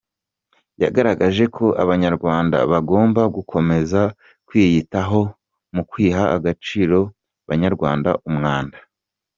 Yagaragaje ko Abanyarwanda bagomba gukomeza kwiyitaho mu kwiha agaciro barwanya umwanda .